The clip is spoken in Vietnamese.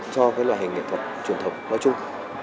cho loài hình nghệ thuật truyền thống nói chung